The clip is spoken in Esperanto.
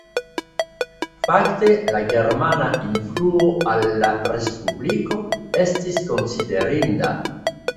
Fakte la germana influo al la respubliko estis konsiderinda.